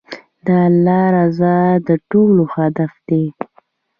د الله رضا د ټولو هدف دی.